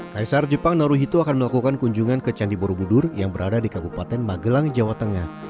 kaisar jepang naruhito akan melakukan kunjungan ke candi borobudur yang berada di kabupaten magelang jawa tengah